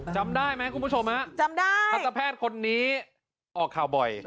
จำได้ไหมคุณผู้ชมฮะจำได้ทันตแพทย์คนนี้ออกข่าวบ่อย